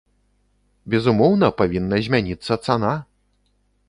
Безумоўна, павінна змяніцца цана!